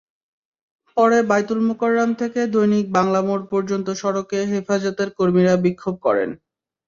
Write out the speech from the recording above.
পরে বায়তুল মোকাররম থেকে দৈনিক বাংলা মোড় পর্যন্ত সড়কে হেফাজতের কর্মীরা বিক্ষোভ করেন।